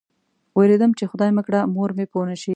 وېرېدم چې خدای مه کړه مور مې پوه نه شي.